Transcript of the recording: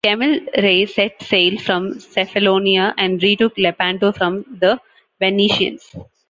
Kemal Reis set sail from Cefalonia and retook Lepanto from the Venetians.